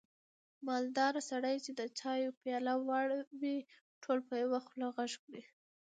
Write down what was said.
مالداره سړی چې د چایو پیاله واړوي، ټول په یوه خوله غږ کړي.